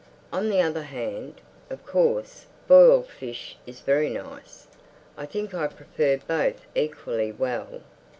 "On the other hand, of course, boiled fish is very nice. I think I prefer both equally well....